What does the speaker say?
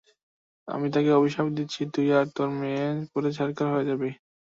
আমি তোকে অভিশাপ দিচ্ছি, তুই আর তোর মেয়ে পুড়ে ছারখার হয়ে যাবি।